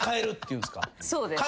そうです。